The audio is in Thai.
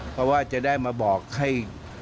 เพราะว่าจะได้มาบอกให้